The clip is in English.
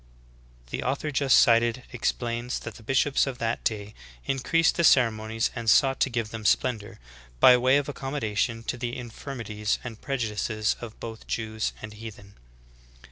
"^ The author just cited explains that the bishops of that day increased the ceremonies and sought to give them splendor ''by way of accommodation to the infirmities and prejudices of both Jews and heathen."